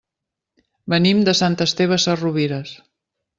Venim de Sant Esteve Sesrovires.